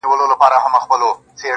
اغیز توند او تیز دی